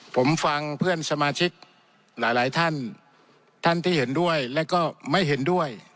ผมฟังเพื่อนสมาชิกหลายหลายท่านท่านที่เห็นด้วยและก็ไม่เห็นด้วย